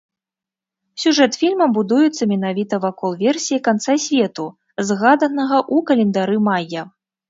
Сюжэт фільма будуецца менавіта вакол версіі канца свету, згаданага ў календары майя.